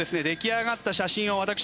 出来上がった写真を私